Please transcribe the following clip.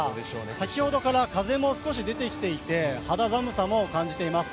先ほどから風も少し出てきていて肌寒さも感じています。